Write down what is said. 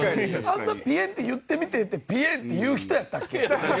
あんな「ぴえんって言ってみて」って「ぴえん」って言う人やったっけ？